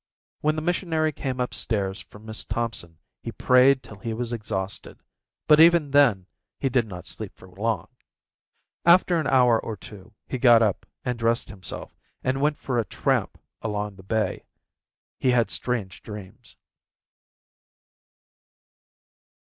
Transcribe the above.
When the missionary came upstairs from Miss Thompson he prayed till he was exhausted, but even then he did not sleep for long. After an hour or two he got up and dressed himself, and went for a tramp along the bay. He had strange dreams.